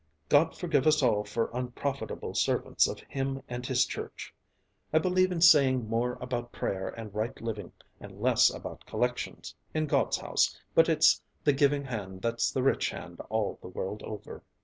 "God forgive us all for unprofitable servants of Him and His church. I believe in saying more about prayer and right living, and less about collections, in God's house, but it's the giving hand that's the rich hand all the world over."